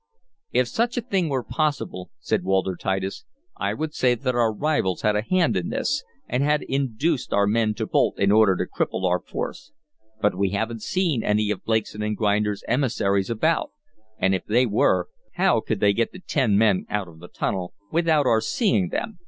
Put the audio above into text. "If such a thing were possible," said Walter Titus, "I would say that our rivals had a hand in this, and had induced our men to bolt in order to cripple our force. But we haven't seen any of Blakeson & Grinder's emissaries about, and, if they were, how could they get the ten men out of the tunnel without our seeing them?